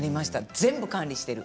全部管理している。